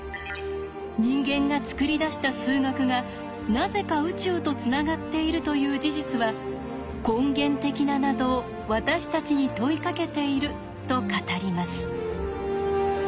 人間が作り出した数学がなぜか宇宙とつながっているという事実は根源的な謎を私たちに問いかけていると語ります。